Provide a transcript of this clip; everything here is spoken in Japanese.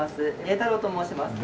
栄太朗と申します。